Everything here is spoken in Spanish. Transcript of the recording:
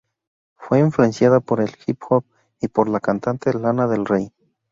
Fue influenciada por el hip hop y por la cantante Lana Del Rey.